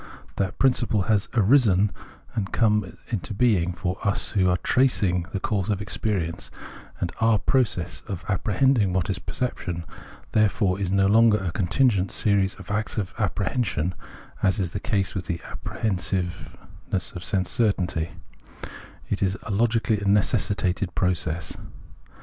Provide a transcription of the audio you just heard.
104 Perception 105 principle has arisen and come into being for us who are tracing the course of experience ; and our process of apprehending what perception is, therefore, is no longer a contingent series of acts of apprehension, as is the case with the apprehension of sense certainty ; it is a logicalty necessitated process.